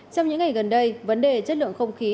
trong những ngày gần đây vấn đề chất lượng không khí